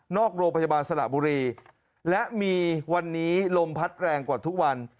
โรงพยาบาลสระบุรีและมีวันนี้ลมพัดแรงกว่าทุกวัน